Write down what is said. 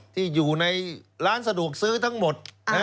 ที่อยู่ในร้านสะดวกซื้อทั้งหมด